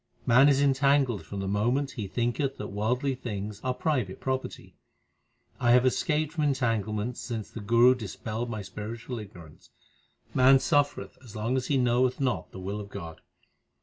Man is entangled from the moment he thinketh that worldly things are private property. I have escaped from entanglements since the Guru dis pelled my spiritual ignorance. HYMNS OF GURU ARJAN 305 Man suffereth as long as he knoweth not the will of God.